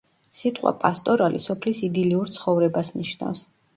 სიტყვა პასტორალი სოფლის იდილიურ ცხოვრებას ნიშნავს.